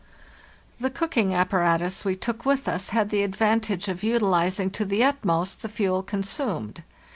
The cooking apparatus we took with us had the advantage of utilizing to the utmost the fuel consumed.